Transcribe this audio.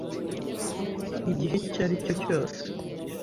igihe icyo ari cyo cyose